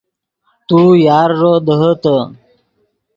تو یارݱو دیہیتے